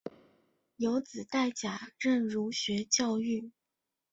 有子戴槚任儒学教谕。